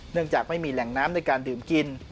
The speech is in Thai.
จากไม่มีแหล่งน้ำในการดื่มกิน